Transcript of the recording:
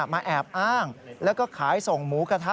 แอบอ้างแล้วก็ขายส่งหมูกระทะ